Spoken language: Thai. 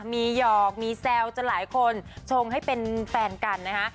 มีหยอกมีแซวจนหลายคนชงให้เป็นแฟนกันนะคะ